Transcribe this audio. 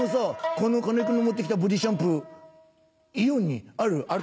この金井君の持って来たボディーシャンプーイオンにある？」